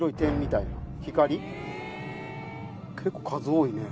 結構数多いね。